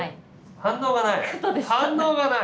反応がない！